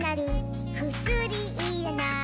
「くすりいらない」